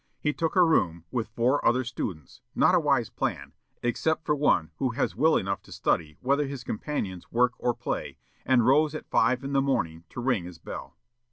He took a room with four other students, not a wise plan, except for one who has will enough to study whether his companions work or play, and rose at five in the morning, to ring his bell.